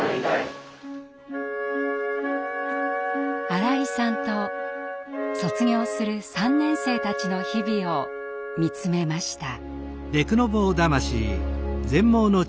新井さんと卒業する３年生たちの日々を見つめました。